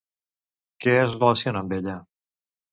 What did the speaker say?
Què es relaciona amb ella?